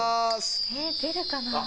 えっ出るかな？